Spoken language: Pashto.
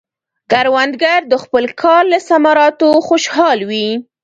کروندګر د خپل کار له ثمراتو خوشحال وي